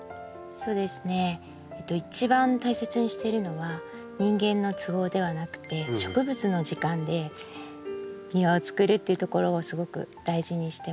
そうですね一番大切にしてるのは人間の都合ではなくて植物の時間で庭をつくるっていうところをすごく大事にしてます。